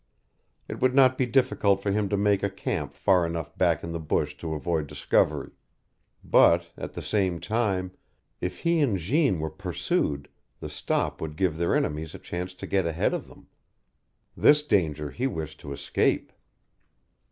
It would not be difficult for him to make a camp far enough back in the bush to avoid discovery; but, at the same time, if he and Jeanne were pursued, the stop would give their enemies a chance to get ahead of them. This danger he wished to escape.